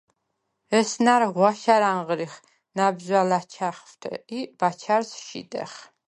ესნა̈რ ღვაშა̈რ ანღრიხ ნა̈ბზვა̈ ლაჩა̈ხვთე ი ბაჩა̈რს შიდეხ.